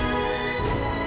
kembali ke rumah saya